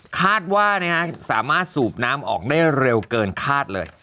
คาดว่าสามารถสูบน้ำออกได้เร็วเกินคาดเลย